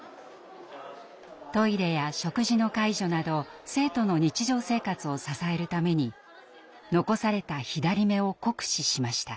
トイレや食事の介助など生徒の日常生活を支えるために残された左目を酷使しました。